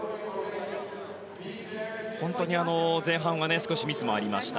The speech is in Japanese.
本当に前半は少しミスもありました。